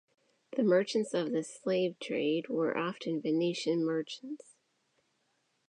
The merchants of this slave trade were often Venetian merchants.